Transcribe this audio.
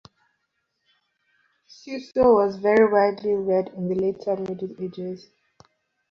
Suso was very widely read in the later Middle Ages.